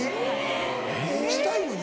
したいのに？